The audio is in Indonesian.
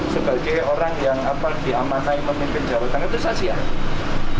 sebagai orang yang diamanai memimpin jawa tengah itu saya siap